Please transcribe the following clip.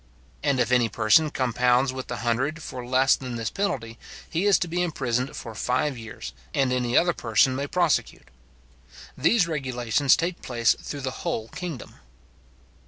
And if any person compounds with the hundred for less than this penalty, he is to be imprisoned for five years; and any other person may prosecute. These regulations take place through the whole kingdom.